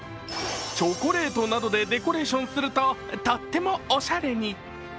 チョコレートなどでデコレーションするととってもおしゃれに。